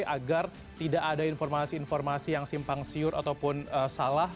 agar tidak ada informasi informasi yang simpang siur ataupun salah